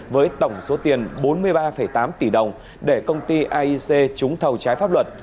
với tổng số tiền bốn mươi ba tám tỷ đồng để công ty aic trúng thầu trái pháp luật